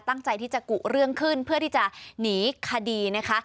ตั้งใจที่จะกุเรื่องขึ้นเพื่อที่จะหนีคดีนะคะ